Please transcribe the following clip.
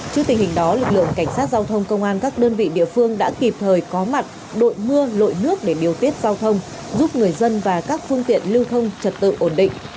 trước tình hình đó lực lượng cảnh sát giao thông công an các đơn vị địa phương đã kịp thời có mặt đội mưa lội nước để điều tiết giao thông giúp người dân và các phương tiện lưu thông trật tự ổn định